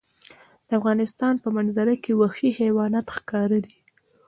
د افغانستان په منظره کې وحشي حیوانات ښکاره ده.